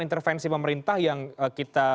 intervensi pemerintah yang kita